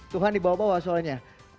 tuhan dibawa bawa soalnya